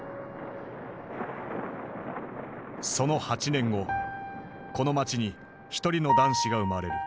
その８年後この街に一人の男子が生まれる。